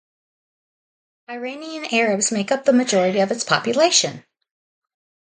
Iranian Arabs make up the majority of its population.